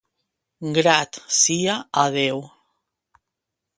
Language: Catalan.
Grat sia a Déu!